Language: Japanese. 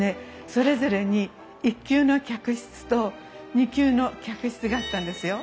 それぞれに１級の客室と２級の客室があったんですよ。